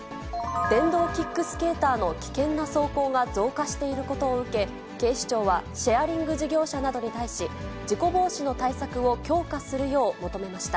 電動キックスケーターの危険な走行が増加していることを受け、警視庁はシェアリング事業者などに対し、事故防止の対策を強化するよう求めました。